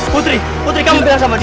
putri putri kamu bilang sama dia